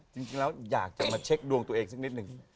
จริงแล้วอยากจะมาเช็คดวงตัวเองสักนิดหนึ่ง